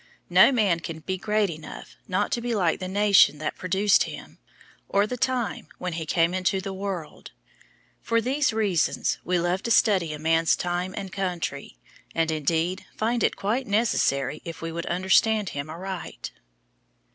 No man can be great enough not to be like the nation that produced him, or the time when he came into the world. For these reasons we love to study a man's time and country, and, indeed, find it quite necessary if we would understand him aright.